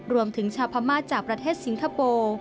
รวมถึงชาวพม่าจากประเทศสิงคโปร์